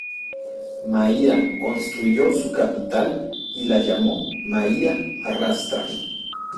Maia construyó su capital y la llamó Maia Rastra.